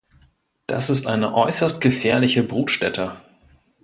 Das ist eine äußerst gefährliche Brutstätte.